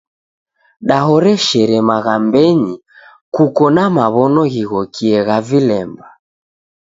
Dahoreshere maghambenyi kukoi na maw'ono ghighokie gha vilemba.